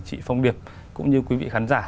chị phong điệp cũng như quý vị khán giả